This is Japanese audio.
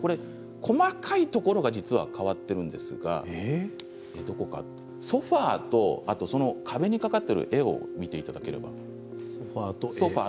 細かいところが変わっているんですがソファーと壁に掛かっている絵を見ていただければ。